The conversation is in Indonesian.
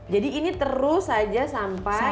jadi ini terus aja sampai